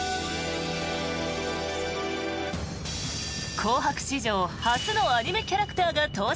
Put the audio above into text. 「紅白」史上初のアニメキャラクターが登場。